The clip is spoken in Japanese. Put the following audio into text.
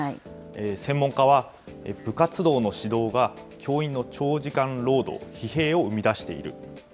専門家は部活動の指導が教員の長時間労働、疲弊を生み出している。